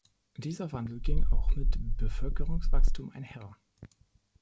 Dieser Wandel ging auch mit Bevölkerungswachstum einher.